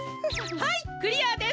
はいクリアです！